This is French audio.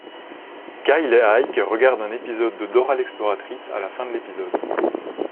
Kyle et Ike regardent un épisode de Dora l'exploratrice à la fin de l'épisode.